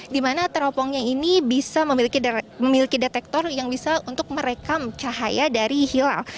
dimana teropongnya ini bisa memiliki detektor yang bisa untuk merekam cahaya dari hilal